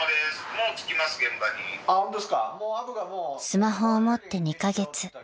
［スマホを持って２カ月］